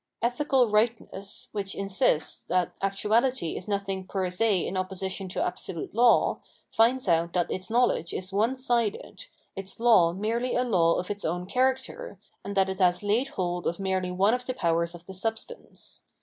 Ethical rightness, which insists that actuahty is nothing per se in opposi tion to absolute law, finds out that its knowledge is onesided, its law merely a law of its own character, and that it has laid hold of merely one of the powers of the substance.